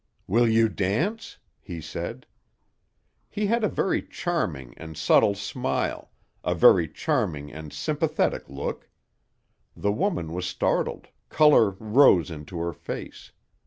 "Will you dance?" he said. He had a very charming and subtle smile, a very charming and sympathetic look. The woman was startled, color rose into her face.